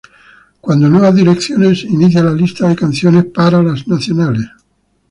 Cuando Nuevas Direcciones inicia la lista de canciones para las Nacionales.